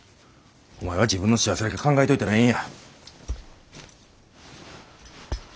お前は自分の幸せだけ考えといたらええんや。